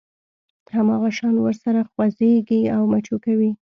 هماغه شان ورسره خوځېږي او مچو کوي.